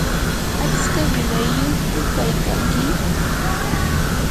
¿atska qilayyuqku kaykanki?